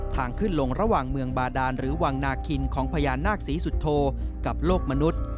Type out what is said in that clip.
ทางขึ้นลงระหว่างเมืองบาดานหรือวังนาคินของพญานาคศรีสุโธกับโลกมนุษย์